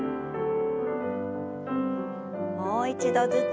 もう一度ずつ。